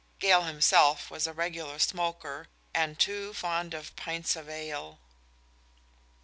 Gale himself was a regular smoker, and too fond of pints of ale.